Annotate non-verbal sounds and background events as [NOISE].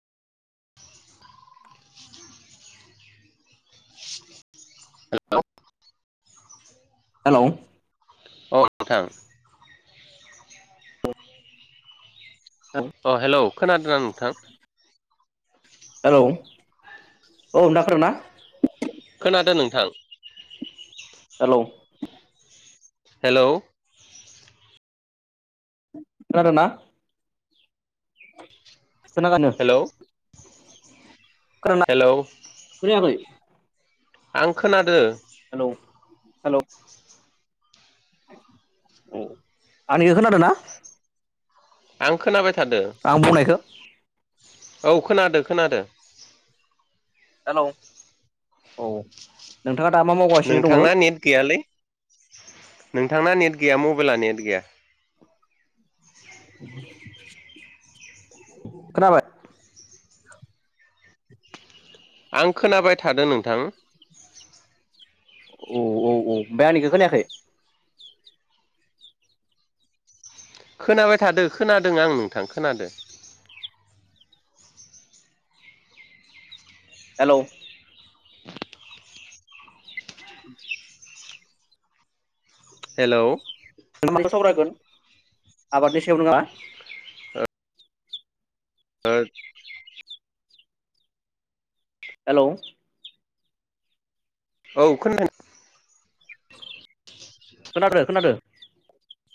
Hello. Hello अ नोंथां। अ हेलौ खोनादो ना नोंथां? हेलौ औ [UNINTELLIGIBLE] ना? खोनादो नोंथां। हेलौ हेलौ खोनादोंना? खोनादोनो हेलौ [UNINTELLIGIBLE] हेलौ खोनायाखै आं खोनादो। हेलौ हेलौ ओम औ आंनिखो खोनादो ना? आं खोनाबाय था आं बुंनायखो? औ खोनादो खोनादो। हेलौ औ नों नोंथाङा दा मा मावगासिनो दङो? नोंथांना नेट गैयालै नोंथांना नेट गैया मबाइला नेट गैया। खोनाबाय आं खोनाबाय थादो नोंथां। औ औ औ ओमफ्राय आंनिखो खोनायाखै‌? खोनाबाय थादो खोनादों आं नोंथां खोनादो। हेलौ [INAUDIBLE] हेलौ [UNINTELLIGIBLE] सावरायगोन आबादनि सायाव नोङा [UNINTELLIGIBLE] हेलौ औ खोना [UNINTELLIGIBLE] खोनादो खोनादो।